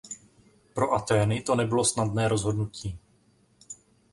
Pro Athény to nebylo snadné rozhodnutí.